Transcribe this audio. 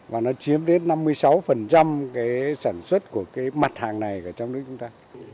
và nó chiếm đến năm mươi sáu cái sản xuất của cái mặt hàng này ở trong nước chúng ta